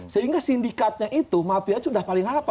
sehingga sindikatnya itu maaf ya sudah paling apa